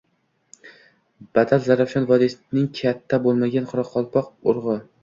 Batal-Zarafshon vodiysining katta bo‘lmagan qoraqalpoq urug‘i.